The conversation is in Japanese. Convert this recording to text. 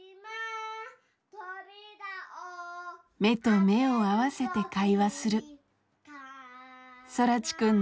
目と目を合わせて会話する空知くんの家族です。